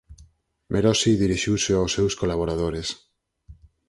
Merosi dirixiuse aos seus colaboradores.